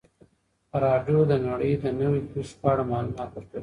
راډیو د نړۍ د نویو پیښو په اړه معلومات ورکول.